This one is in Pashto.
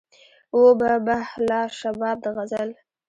وو به به لا شباب د غزل